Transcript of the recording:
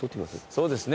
そうですね